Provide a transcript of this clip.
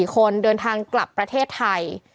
คนเดินทางกลับประเทศไทย